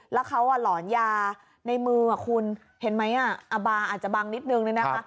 แล้วเขาอ่ะหลอนยาในมืออ่ะคุณเห็นไหมอ่ะอาบาอาจจะบังนิดนึงด้วยนะคะ